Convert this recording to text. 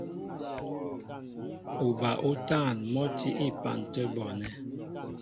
Uba útân mɔ́ tí á epan tə̂ bɔɔnɛ́.